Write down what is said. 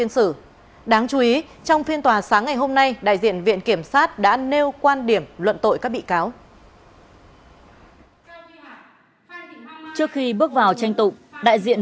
xin chào các bạn